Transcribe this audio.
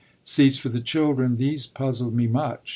Seats for the children these puzzled me much.